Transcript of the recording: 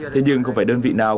thế nhưng không phải đơn vị nào